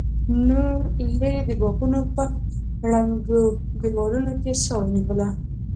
نورو ليرې د باغونو په ړنګو دېوالونو کې سا ونيوله.